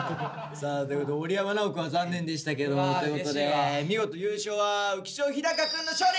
さあでも織山尚大くんは残念でしたけどということで見事優勝は浮所飛貴くんの勝利！